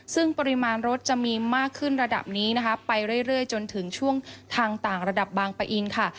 ซึ่งปริมาณรถจะมีมากขึ้นระดับนี้นะคะไปเรื่อยจนถึงช่วงทางต่างระดับบางปะอินค่ะ